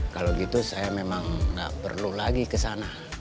kalau gitu saya memang nggak perlu lagi ke sana